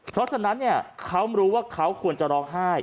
เพราะฉะนั้นเขารู้ว่าเขาควรจะร้องไห้